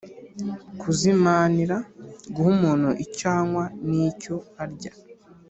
kuzimanira: guha umuntu icyo anywa n’icyo arya